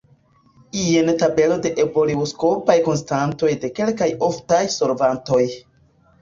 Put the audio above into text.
Jen tabelo de ebulioskopaj konstantoj de kelkaj oftaj solvantoj.